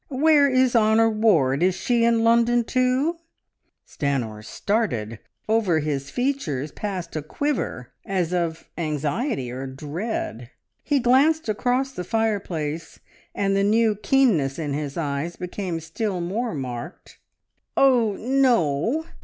"Where is Honor Ward? Is she in London, too?" Stanor started; over his features passed a quiver as of anxiety or dread. He glanced across the fireplace, and the new keenness in his eyes became still more marked. "Er no!